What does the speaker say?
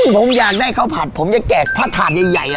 ผมอยากได้ข้าวผัดผมจะแจกผ้าถาดใหญ่